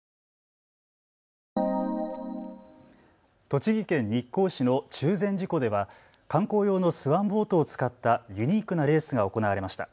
栃木県日光市の中禅寺湖では観光用のスワンボートを使ったユニークなレースが行われました。